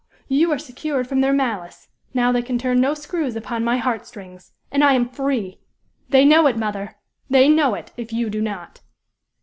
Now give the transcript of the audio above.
You are secured from their malice; now they can turn no screws upon my heart strings! and I am free! They know it, mother they know it, if you do not."